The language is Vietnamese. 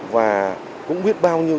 và cũng biết bao nhiêu